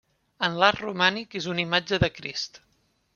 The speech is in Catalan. En l'art romànic és una imatge de Crist.